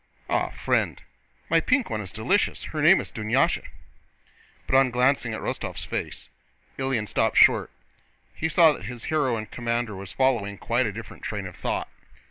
Ah, friend—my pink one is delicious; her name is Dunyásha...." But on glancing at Rostóv's face Ilyín stopped short. He saw that his hero and commander was following quite a different train of thought.